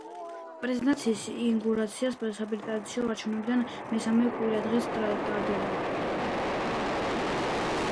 პრეზიდენტის ინაუგურაცია საპრეზიდენტო არჩევნებიდან მესამე კვირადღეს ტარდება.